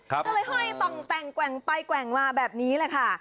ก็เลยห้อยต่องแต่งแกว่งไปแกว่งมาแบบนี้แหละค่ะ